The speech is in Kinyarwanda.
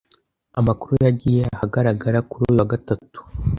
Amakuru yagiye ahagaragara kuri uyu wa Gatatu